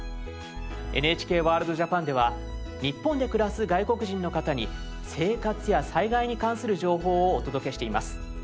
「ＮＨＫＷＯＲＬＤ−ＪＡＰＡＮ」では日本で暮らす外国人の方に生活や災害に関する情報をお届けしています。